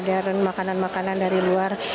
makanan yang modern makanan makanan dari luar